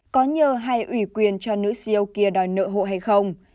có nhờ hay ủy quyền cho nữ siêu kia đòi nợ hộ hay không